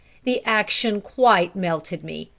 The action quite melted me.